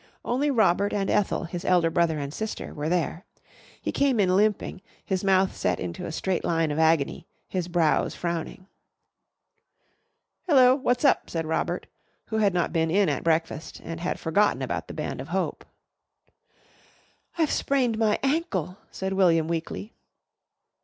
Only Robert and Ethel, his elder brother and sister, were there. He came in limping, his mouth set into a straight line of agony, his brows frowning. "Hello! What's up?" said Robert, who had not been in at breakfast and had forgotten about the Band of Hope. "I've sprained my ankle," said William weakly.